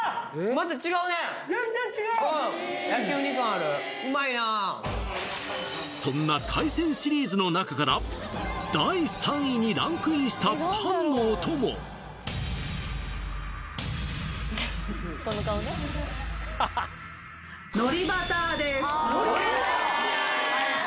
また違うねうまいなあそんな海鮮シリーズの中から第３位にランクインしたパンのお供海苔バター？